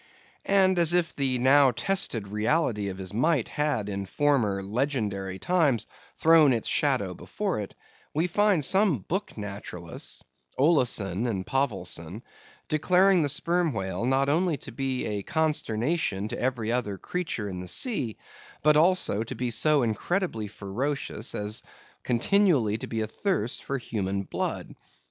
And as if the now tested reality of his might had in former legendary times thrown its shadow before it; we find some book naturalists—Olassen and Povelson—declaring the Sperm Whale not only to be a consternation to every other creature in the sea, but also to be so incredibly ferocious as continually to be athirst for human blood.